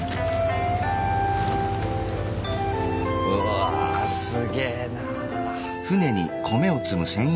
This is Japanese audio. うわぁすげえなあ。